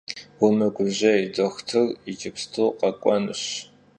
Vumıgujey, doxutır yicıpstu khek'uenuş.